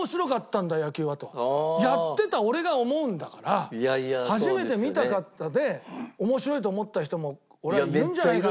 やってた俺が思うんだから初めて見た方で面白いと思った人も俺はいるんじゃないかな。